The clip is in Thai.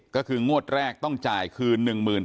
ก็คืองวดแรกต้องจ่ายคืน๑๘๐๐